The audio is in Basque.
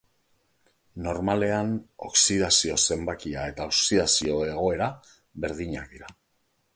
Normalean, oxidazio-zenbakia eta oxidazio-egoera berdinak dira.